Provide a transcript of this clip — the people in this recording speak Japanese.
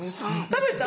食べた？